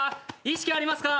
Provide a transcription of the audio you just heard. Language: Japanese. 意識ありますか？